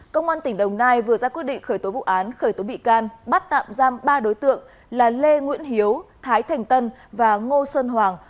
công an tỉnh đồng nai vừa ra quyết định khởi tố vụ án khởi tố bị can bắt tạm giam ba đối tượng là lê nguyễn hiếu thái thành tân và ngô sơn hoàng